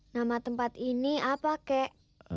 nama tempat ini apa kek